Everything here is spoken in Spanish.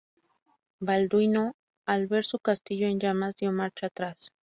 Balduino al ver su castillo en llamas, dio marcha atrás.